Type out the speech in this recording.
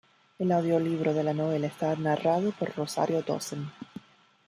El audiolibro de la novela está narrado por Rosario Dawson.